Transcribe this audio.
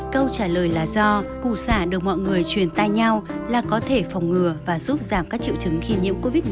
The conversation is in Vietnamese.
câu trả lời là do cụ xả được mọi người truyền tai nhau là có thể phòng ngừa và giúp giảm các triệu chứng khi nhiễm covid một mươi